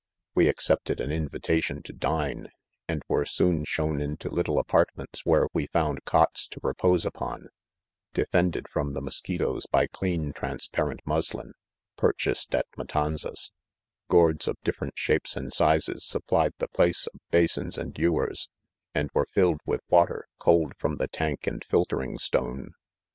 We accepted an invitation to dine, and were soon shown into little apartments where we found cots to repose upon, defended from the mosquitos by clean transparent muslin, pur chased atMatanzasj gourds of different shapes and" sizes supplied the place of basons and ewers, and were filled with water, cold from the tan 1^ and filtering" st on 3.